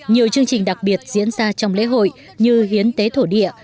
nhiều chương trình đặc biệt diễn ra trong lễ hội như hiến tế thổ địa